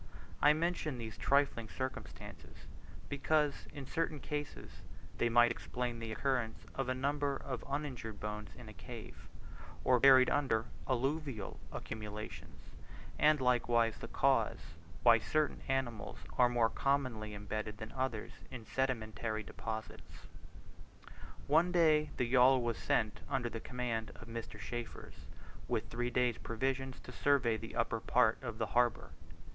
I mention these trifling circumstances, because in certain cases they might explain the occurrence of a number of uninjured bones in a cave, or buried under alluvial accumulations; and likewise the cause why certain animals are more commonly embedded than others in sedimentary deposits. One day the yawl was sent under the command of Mr. Chaffers with three days' provisions to survey the upper part of the harbour.